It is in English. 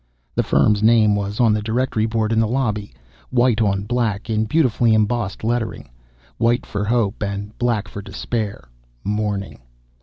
The firm's name was on the directory board in the lobby, white on black in beautifully embossed lettering. White for hope, and black for despair, mourning